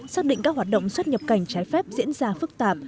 xác định các hoạt động xuất nhập cảnh trái phép diễn ra phức tạp